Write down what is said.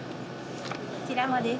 こちらもです。